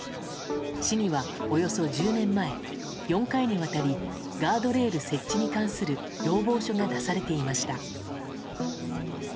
市には、およそ１０年前４回にわたりガードレール設置に関する要望書が出されていました。